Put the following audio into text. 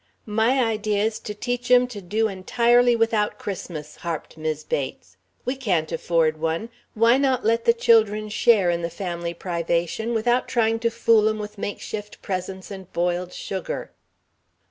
"My idea is to teach 'em to do entirely without Christmas," harped Mis' Bates. "We can't afford one. Why not let the children share in the family privation without trying to fool 'em with make shift presents and boiled sugar?"